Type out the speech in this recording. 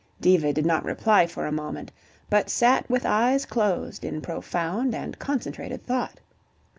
Diva did not reply for a moment, but sat with eyes closed in profound and concentrated thought.